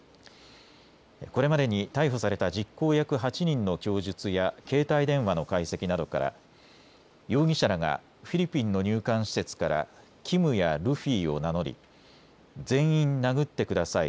これまでに逮捕された実行役８人の供述や携帯電話の解析などから容疑者らがフィリピンの入管施設からキムやルフィを名乗り全員殴ってください。